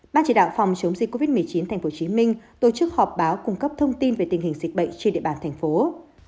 ban chỉ đạo phòng chống dịch covid một mươi chín tp hcm tổ chức họp báo cung cấp thông tin về tình hình dịch bệnh trên địa bàn thành phố